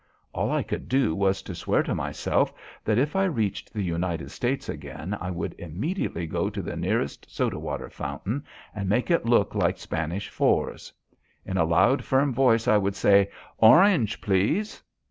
All I could do was to swear to myself that if I reached the United States again, I would immediately go to the nearest soda water fountain and make it look like Spanish Fours. In a loud, firm voice, I would say, "Orange, please."